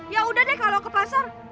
ya udah deh kalau ke pasar